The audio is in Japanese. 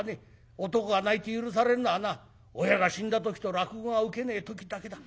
男が泣いて許されるのはな親が死んだ時と落語がウケねえ時だけだ。